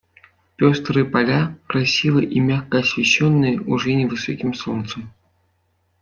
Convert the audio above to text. Пёстрые поля, красиво и мягко освещенные уже невысоким солнцем.